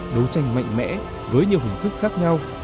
đấu tranh mạnh mẽ với nhiều hình thức khác nhau